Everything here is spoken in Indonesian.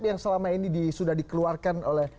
yang selama ini sudah dikeluarkan oleh